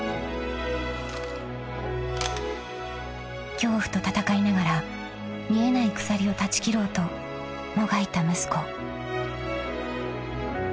［恐怖と闘いながら見えない鎖を断ち切ろうともがいた息子］